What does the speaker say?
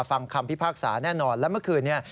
ฟังคำพิพากษาแน่นอนแล้วเมื่อคืนนี้